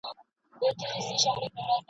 چي وژلی یې د بل لپاره قام وي ..